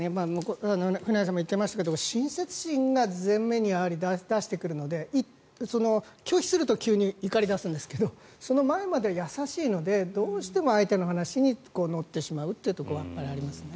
フナイムさんも言っていましたが、親切心を前面に出してくるので拒否すると急に怒り出すんですがその前までは優しいのでどうしても相手の話に乗ってしまうというところはやっぱりありますね。